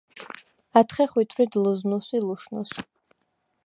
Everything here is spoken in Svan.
ათხე ხვითვრიდ ლჷზნუს ი ლუშნუს.